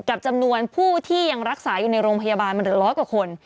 กับจำนวนผู้ที่ยังรักษาอยู่ในโรงพยาบาลมันเหลือร้อยกว่าคน